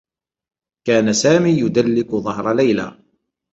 كان سامي يدلّك ظهر ليلى.